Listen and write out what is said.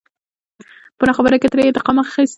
په ناخبرۍ کې يې ترې انتقام نه اخست.